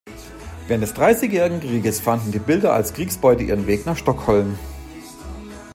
Während des Dreißigjährigen Krieges fanden die Bilder als Kriegsbeute ihren Weg nach Stockholm.